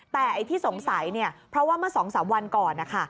แต่ที่สงสัยเพราะว่าเมื่อ๒๓วันก่อน